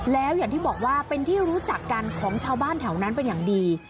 แล้วอย่างที่บอกว่าเป็นที่รู้จักกันของชาวบ้านแถวนั้นเป็นอย่างดี